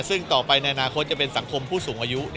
ซึ่งต่อไปในอนาคตจะเป็นสังคมผู้สูงอายุ